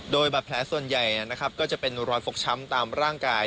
โดยบาดแผลส่วนใหญ่นะครับก็จะเป็นรอยฟกช้ำตามร่างกาย